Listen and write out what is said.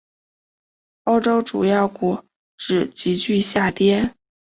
欧洲主要股指急剧下跌。